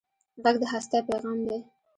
غږ د هستۍ پېغام دی